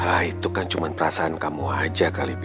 hai itu kan cuman perasaan kamu aja kali ini pak